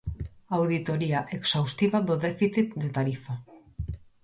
Auditoría exhaustiva do déficit de tarifa.